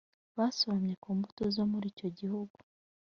basoromye ku mbuto zo muri icyo gihugu